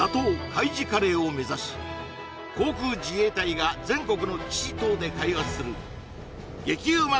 海自カレーを目指し航空自衛隊が全国の基地等で開発する激ウマ